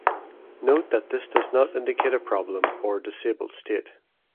Note that this does not indicate a problem or disabled state.